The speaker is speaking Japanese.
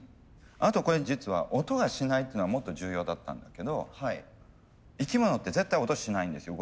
あとこれ実は音がしないっていうのがもっと重要だったんだけど生き物って絶対音しないんですよ